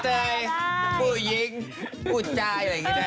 กัตเจยผู้หญิงผู้จ่ายอะไรอย่างนี้ได้ไหม